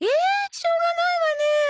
しょうがないわね。